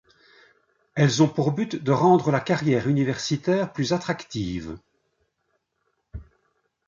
Elles ont pour but de rendre la carrière universitaire plus attractive.